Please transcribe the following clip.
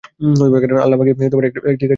আল্লাহ আমাকে একটি কাজের আদেশ করেছেন।